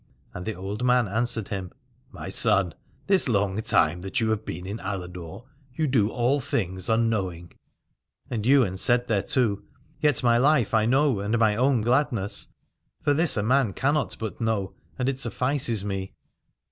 And the old man answered him : My son, this long time that you have been in Aladore, you do all things unknowing. And Ywain said thereto : Yet my life I know, and my own gladness : for this a man cannot but know, and it suffices me.